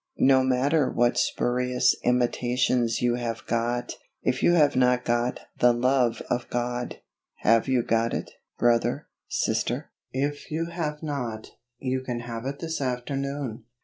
No matter what spurious imitations you have got, if you have not got the love of God. Have you got it, brother? sister? If you have not, you can have it this afternoon.